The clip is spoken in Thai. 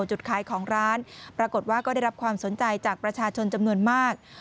จุดขายของร้านปรากฏว่าก็ได้รับความสนใจจากประชาชนจำนวนมาก